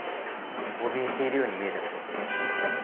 おびえているように見えたけど。